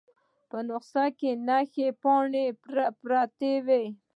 په نسخه کې نښانۍ پاڼې پرتې وې.